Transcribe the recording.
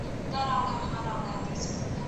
پښتو ژبه زموږ د کلتوري اصالت او رښتینولۍ نښه ده